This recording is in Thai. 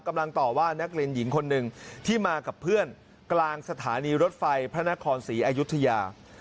ต่อว่านักเรียนหญิงคนหนึ่งที่มากับเพื่อนกลางสถานีรถไฟพระนครศรีอายุทยา